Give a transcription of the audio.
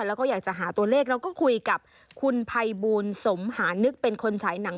แล้วก็อยากจะหาตัวเลขแล้วก็คุยกับคุณภัยบูลสมหานึกเป็นคนฉายหนัง